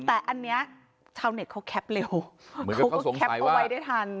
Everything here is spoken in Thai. แต่อันนี้ชาวเน็ตเขาแคปเร็วเขาก็แคปเอาไว้ได้ทัน